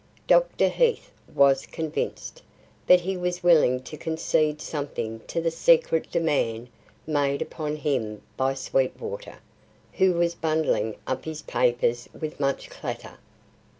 Dr. Heath was convinced, but he was willing to concede something to the secret demand made upon him by Sweetwater, who was bundling up his papers with much clatter.